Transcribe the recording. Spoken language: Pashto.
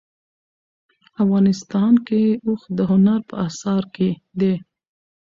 افغانستان کې اوښ د هنر په اثار کې دي.